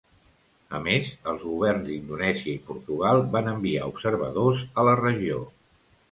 A més, els governs d'Indonèsia i Portugal van enviar observadors a la regió.